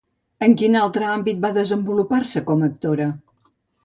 En quin altre àmbit va desenvolupar-se com a actora?